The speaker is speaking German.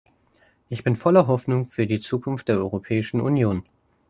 Ich bin voller Hoffnung für die Zukunft der Europäischen Union.